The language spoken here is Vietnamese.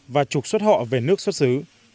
và trục xuất họ về nước xuất xứ